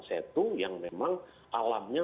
setung yang memang alamnya